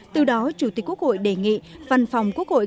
từ đó chủ tịch quốc hội đề nghị văn phòng quốc hội